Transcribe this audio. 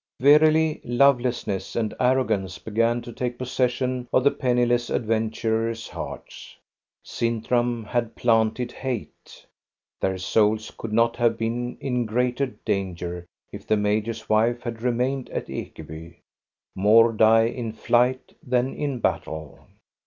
Verily, lovelessness and arrogance began to take possession of the penniless adventurers' hearts. Sin tram hkd planted hate. Their souls could not have I08 THE STORY OF GO ST A BE RUNG been in greater danger if the major's wife had re mained at Ekeby. More die in flight than in battle.